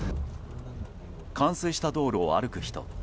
冠水した道路を歩く人。